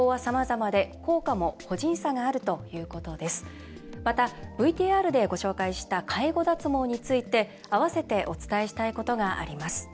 また、ＶＴＲでご紹介した介護脱毛について、併せてお伝えしたいことがあります。